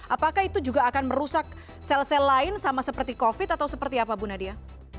apakah itu juga akan merusak sel sel lain sama seperti covid atau seperti apa bu nadia